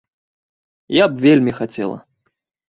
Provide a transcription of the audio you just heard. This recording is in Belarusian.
Я б вельмі хацела.